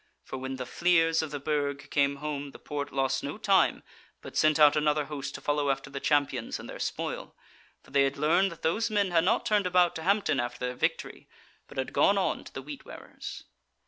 For when the fleers of the Burg came home the Porte lost no time, but sent out another host to follow after the Champions and their spoil; for they had learned that those men had not turned about to Hampton after their victory, but had gone on to the Wheat wearers.